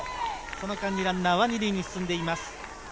その間にランナーは２塁に進んでいます。